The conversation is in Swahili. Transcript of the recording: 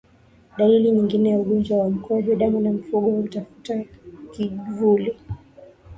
Dalili nyingine ya ugonjwa wa mkojo damu ni mfugo hutafuta kivuli